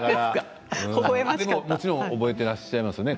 もちろん覚えてらっしゃいますよね。